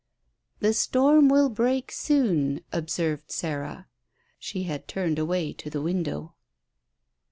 "The storm will break soon," observed Sarah. She had turned away to the window.